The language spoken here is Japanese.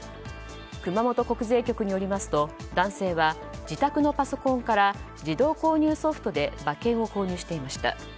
熊本国税局によりますと男性は、自宅のパソコンから自動購入ソフトで馬券を購入していました。